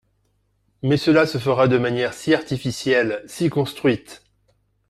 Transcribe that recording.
Mais cela se fera de manière si artificielle, si construite